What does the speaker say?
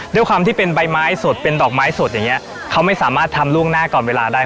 ด้วยความที่เป็นใบไม้สดเป็นดอกไม้สดอย่างเงี้ยเขาไม่สามารถทำล่วงหน้าก่อนเวลาได้